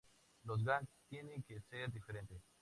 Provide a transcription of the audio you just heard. Los ‘gags’ tienen que ser diferentes.